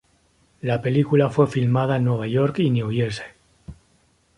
La película fue filmada en Nueva York y New Jersey.